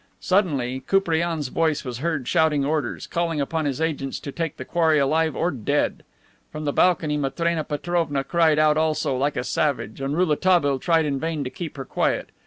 Suddenly Koupriane's voice was heard shouting orders, calling upon his agents to take the quarry alive or dead. From the balcony Matrena Petrovna cried out also, like a savage, and Rouletabille tried in vain to keep her quiet.